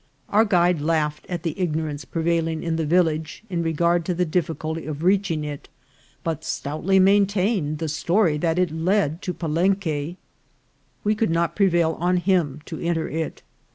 Our guide laughed at the ignorance prevailing in the village in regard to the difficulty of reaching it, but stoutly maintained the story that it led to Palenque. We could not prevail on him to enter it.